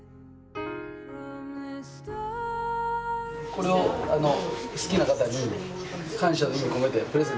これを好きな方に感謝の意味を込めてプレゼントしてください。